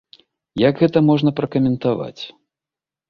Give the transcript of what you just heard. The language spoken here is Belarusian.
Як гэта можна пракаментаваць?